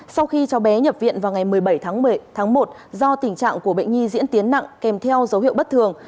sau khi cháu bé nhập viện vào ngày một mươi bảy tháng một do tình trạng của bệnh nhi diễn tiến nặng kèm theo dấu hiệu bất thường